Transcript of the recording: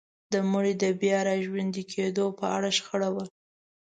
د مړي د بيا راژوندي کيدو په اړه شخړه وه.